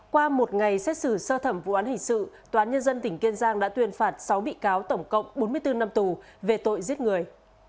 qua một ngày xét xử sơ thẩm vụ án hình sự toán nhân dân tỉnh kiên giang đã tuyên phạt sáu bị cáo tổng cộng bốn mươi bốn năm tù về tội giết người